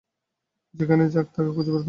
যেখানেই যাক তাকে খুঁজে বের করব।